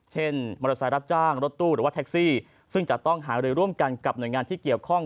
มอเตอร์ไซค์รับจ้างรถตู้หรือว่าแท็กซี่ซึ่งจะต้องหารือร่วมกันกับหน่วยงานที่เกี่ยวข้อง